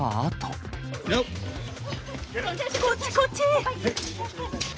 こっち、こっち。